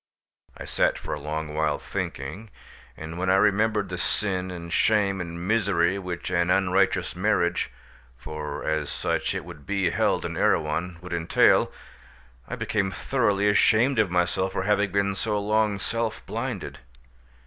I sat for a long while thinking, and when I remembered the sin and shame and misery which an unrighteous marriage—for as such it would be held in Erewhon—would entail, I became thoroughly ashamed of myself for having been so long self blinded.